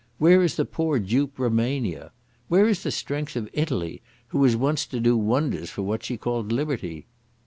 Where is the poor dupe Rumania? Where is the strength of Italy, who was once to do wonders for what she called Liberty?